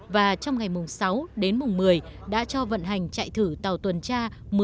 và trong ngày sáu đến một mươi đã cho vận hành chạy thử tàu tuần tra một trăm linh chín nghìn tám trăm linh một